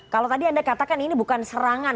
kalau tadi anda katakan ini bukan serangan